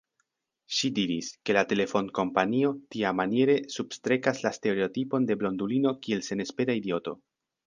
Ŝi diris, ke la telefonkompanio tiamaniere substrekas la stereotipon de blondulino kiel senespera idioto.